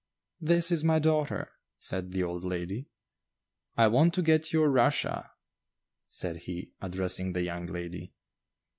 "This is my daughter," said the old lady. "I want to get your Russia," said he, addressing the young lady.